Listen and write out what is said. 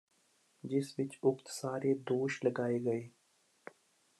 ਜਿਸ ਵਿਚ ਉਕਤ ਸਾਰੇ ਦੋਸ਼ ਲਗਾਏ ਗਏ